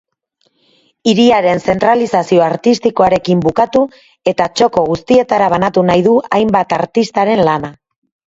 Hiriaren zentralizazio artistikoarekin bukatu eta txoko guztietara banatu nahi du hainbat artistaren lana.